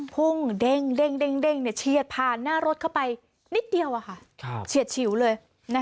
พุ่งเด้งเฉียดผ่านหน้ารถเข้าไปนิดเดียวเฉียดฉิวเลย